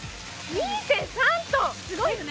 ２．３ｔ、すごいよね。